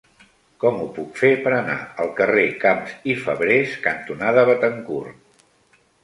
Com ho puc fer per anar al carrer Camps i Fabrés cantonada Béthencourt?